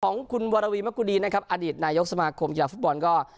ของคุณวรวีมกุฎีอดิตนายกสมาคมกีฬาฟุตบอล